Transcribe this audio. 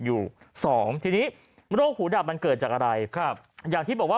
อยู่สองทีนี้โรคหูดับมันเกิดจากอะไรครับอย่างที่บอกว่า